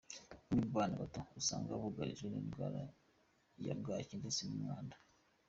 Bamwe mu bana baho usanga bugarijwe n’indwara ya bwaki ndetse n’umwanda.